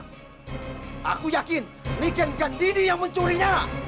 aku yakin niken gandhidini yang mencurinya